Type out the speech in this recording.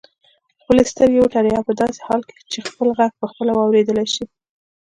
خپلې سترګې وتړئ او په داسې حال کې چې خپل غږ پخپله واورېدلای شئ.